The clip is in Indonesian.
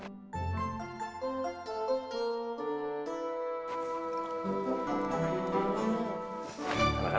sampe kamu sudah sakit